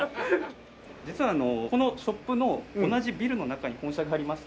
実はこのショップの同じビルの中に本社がありまして。